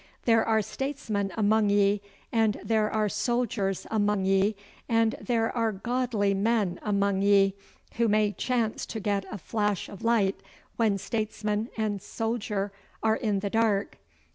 There are statesmen among ye, and there are soldiers among ye, and there are godly men among ye who may chance to get a flash of light when statesman and soldier are in the dark.